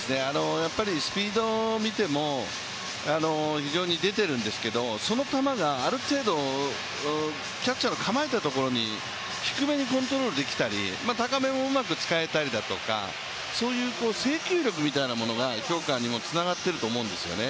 スピードを見ても非常に出てるんですけどその球がある程度、キャッチャーの構えているところに、低めにコントロールできたり、高めをうまく使えたりだとかそういう制球力みたいなものが評価にもつながっていると思うんですよね。